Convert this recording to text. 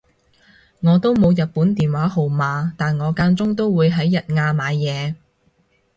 我都冇日本電話號碼但我間中都會喺日亞買嘢